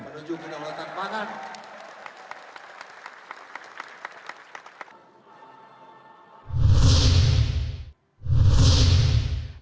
menuju ke daulatan pangan